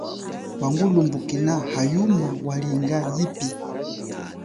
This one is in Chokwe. Wangulumbukila hayuma walinga yipi.